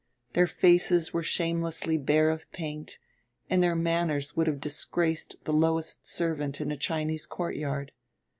Their faces were shamelessly bare of paint and their manners would have disgraced the lowest servant in a Chinese courtyard.